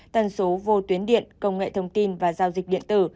tần số vô tuyến điện công nghệ thông tin và giao dịch điện tử